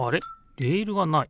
レールがない。